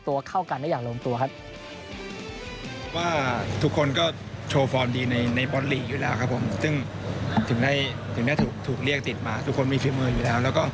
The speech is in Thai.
ถึงถึงถ้าถูกเรียกติดมาทุกคนมีฝีมืออยู่แล้ว